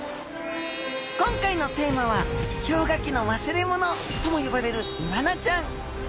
今回のテーマは氷河期の忘れものとも呼ばれるイワナちゃん！